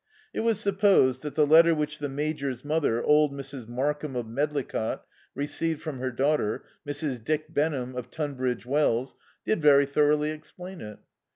It was supposed that the letter which the Major's mother, old Mrs. Markham of Medlicott, received from her daughter, Mrs. Dick Benham of Tunbridge Wells, did very thoroughly explain it.